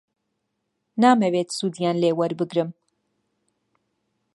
نامەوێت سوودیان لێ وەربگرم.